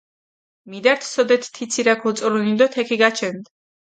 მიდართჷ სოდეთ თი ცირაქ ოწურუნი დო თექი გაჩენდჷ.